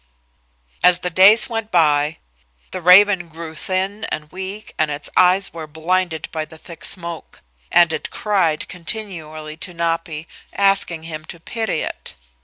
As the days went by the raven grew thin and weak and its eyes were blinded by the thick smoke, and it cried continually to Napi asking him to pity it.